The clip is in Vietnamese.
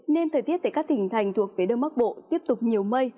nên thời tiết tại các tỉnh thành thuộc phía đông bắc bộ tiếp tục nhiều mây